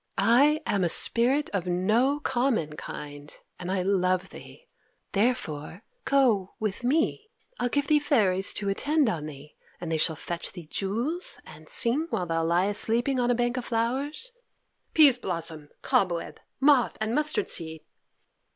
I am a spirit of no common kind, and I love thee; therefore go with me. I'll give thee fairies to attend on thee, and they shall fetch thee jewels, and sing while thou liest sleeping on a bank of flowers. Peaseblossom! Cobweb! Moth! and Mustard seed!"